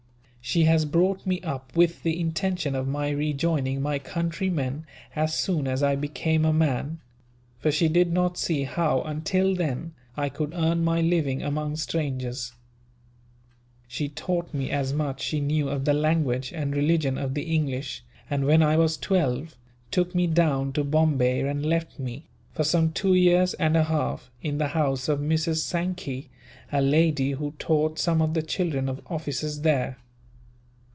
"She has brought me up with the intention of my rejoining my countrymen, as soon as I became a man; for she did not see how, until then, I could earn my living among strangers. She taught me as much as she knew of the language and religion of the English and, when I was twelve, took me down to Bombay and left me, for some two years and a half, in the house of Mrs. Sankey, a lady who taught some of the children of officers there.